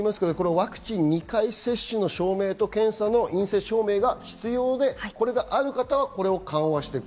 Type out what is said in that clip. ワクチン２回接種の証明と検査の陰性証明が必要で、これがある方はこれを緩和していく。